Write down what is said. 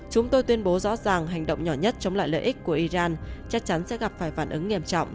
chúng tôi tuyên bố rõ ràng hành động nhỏ nhất chống lại lợi ích của iran chắc chắn sẽ gặp phải phản ứng nghiêm trọng